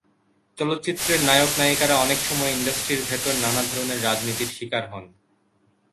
চলচ্চিত্রের নায়ক নায়িকারা অনেক সময় ইন্ডাস্ট্রির ভেতর নানা ধরনের রাজনীতির শিকার হন।